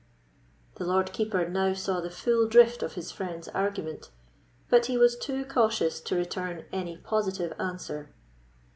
The Lord Keeper now saw the full drift of his friend's argument, but he was too cautious to return any positive answer.